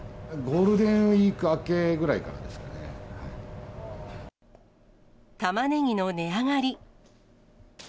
ゴールデンウィーク明けぐらいかたまねぎの値上がり。